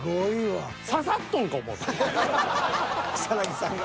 草さんが。